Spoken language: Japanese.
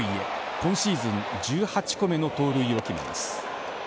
今シーズン１８個目の盗塁を決めます。